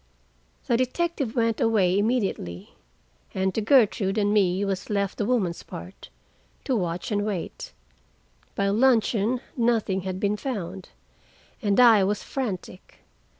The detective went away immediately, and to Gertrude and me was left the woman's part, to watch and wait. By luncheon nothing had been found, and I was frantic.